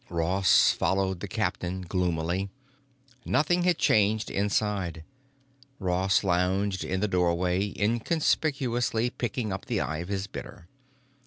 Ross followed the captain gloomily. Nothing had changed inside; Ross lounged in the doorway inconspicuously picking up the eye of his bidder.